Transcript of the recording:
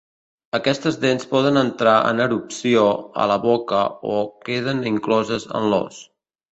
Aquestes dents poden entrar en erupció a la boca o queden incloses en l'os.